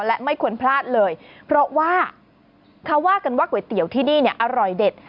และไม่ควรพลาดเลยเพราะว่าเขาว่ากันว่าก๋วยเตี๋ยวที่นี่เนี่ยอร่อยเด็ด